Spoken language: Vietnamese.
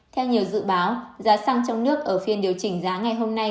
theo nhiều dự báo giá xăng trong nước ở phiên điều chỉnh giá ngày hôm nay